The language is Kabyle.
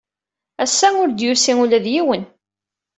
Ass-a, ur d-yusi ula d yiwen.